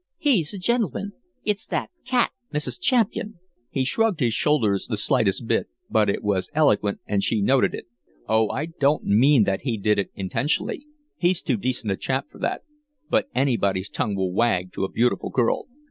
"He's a gentleman. It's that cat, Mrs. Champian." He shrugged his shoulders the slightest bit, but it was eloquent, and she noted it. "Oh, I don't mean that he did it intentionally he's too decent a chap for that but anybody's tongue will wag to a beautiful girl!